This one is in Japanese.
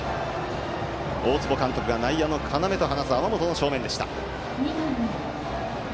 大坪監督が内野の要と話す天本の正面でした。